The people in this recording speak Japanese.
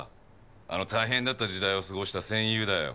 あの大変だった時代を過ごした戦友だよ。